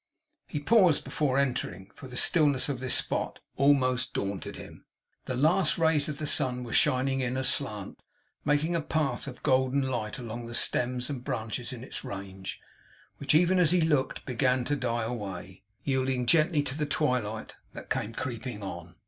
He paused before entering; for the stillness of this spot almost daunted him. The last rays of the sun were shining in, aslant, making a path of golden light along the stems and branches in its range, which, even as he looked, began to die away, yielding gently to the twilight that came creeping on.